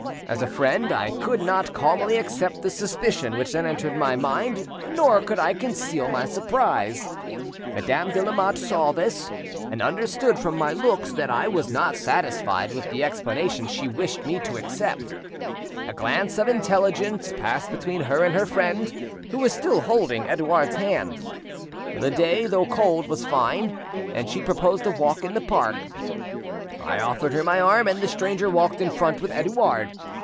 As a friend, I could not calmly accept the suspicion which then entered my mind, nor could I conceal my surprise. Madame de Lamotte saw this, and understood from my looks that I was not satisfied with the explanation she wished me to accept. A glance of intelligence passed between her and her friend, who was still holding Edouard's hand. The day, though cold, was fine, and she proposed a walk in the park. I offered her my arm, and the stranger walked in front with Edouard.